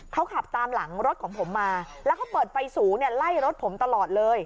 เขาขับตามหลังรถของผมมาแล้วเขาเปิดไฟสูงเนี่ยไล่รถผมตลอดเลย